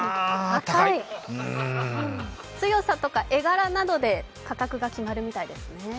強さとか絵柄などで価格が決まるみたいですね。